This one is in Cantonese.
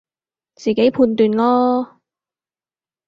自己判斷囉